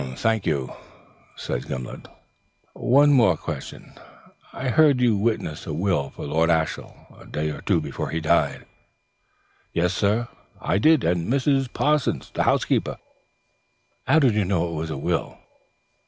"Thank you," said Gimblet. "One more question. I hear you witnessed a will for Lord Ashiel a day or two before he died?" "Yes, sir I and Mrs. Parsons, the housekeeper." "How did you know it was the will?"